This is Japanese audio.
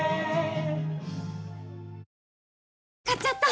買っちゃった！